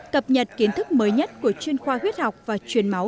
cập nhật kiến thức mới nhất của chuyên khoa huyết học và truyền máu